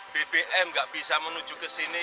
bbm gak bisa menuju kesini